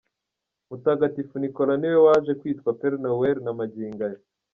Mutagatifu Nicolas niwe waje kwitwa Père Noël na magingo aya.